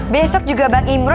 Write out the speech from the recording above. besok juga bang imro